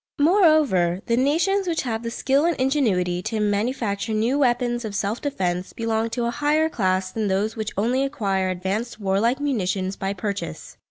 Moreover, the nations which have the skill and ingenuity to manufacture new weapons of self defence belong to a higher class than those which only acquire advanced warlike munitions by purchase.